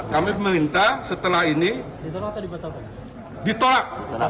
kami meminta setelah ini ditolak